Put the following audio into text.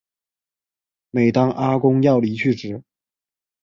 每当阿公要离去时